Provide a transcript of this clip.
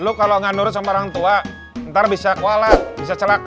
lu kalau nggak nurut sama orang tua ntar bisa kuala bisa celaka